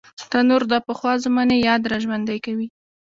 تنور د پخوا زمانې یاد راژوندي کوي